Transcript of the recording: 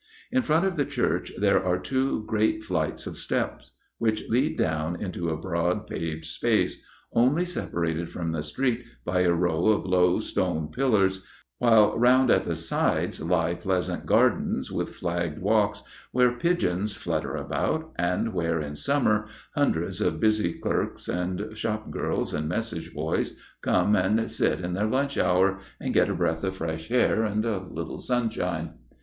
In front of the church there are two great flights of steps, which lead down into a broad paved space, only separated from the street by a row of low stone pillars, while round at the sides lie pleasant gardens, with flagged walks, where pigeons flutter about, and where, in summer, hundreds of busy clerks, and shop girls, and message boys, come and sit in their lunch hour, and get a breath of fresh air and a little sunshine.